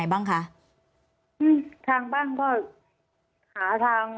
ยายก็ยังแอบไปขายขนมแล้วก็ไปถามเพื่อนบ้านว่าเห็นไหมอะไรยังไง